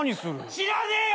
知らねえよ